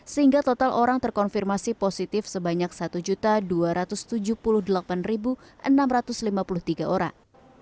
sehingga total orang terkonfirmasi positif sebanyak satu dua ratus tujuh puluh delapan enam ratus lima puluh tiga orang